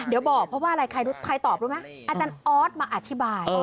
เดี๋ยวบอกเพราะว่าอะไรใครรู้ใครตอบรู้ไหมอาจารย์ออสมาอธิบาย